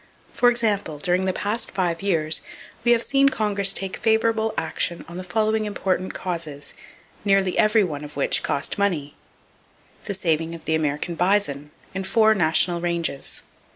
For example, during the past five years we have seen Congress take favorable action on the following important causes, nearly every one of which cost money: The saving of the American bison, in four National ranges.